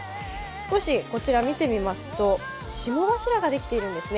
少しこちら見てみますと、霜柱ができているんですね。